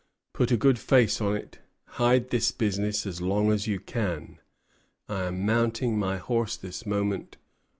Put a good face on it. Hide this business as long as you can. I am mounting my horse this moment.